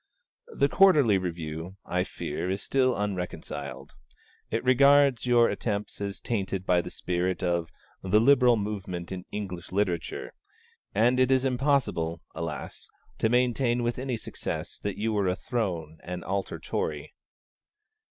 The 'Quarterly Review', I fear, is still unreconciled. It regards your attempts as tainted by the spirit of 'The Liberal Movement in English Literature;' and it is impossible, alas! to maintain with any success that you were a Throne and Altar Tory.